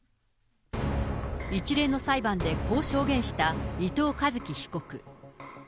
一連の裁判でこう証言した伊藤一輝被告。